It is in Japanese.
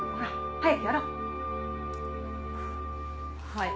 はい。